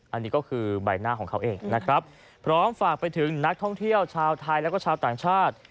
อันนี้ก็คือใบหน้าของเขาเองนะครับพร้อมฝากไปถึงนักท่องเที่ยวชาวไทยแล้วก็ชาวต่างชาติ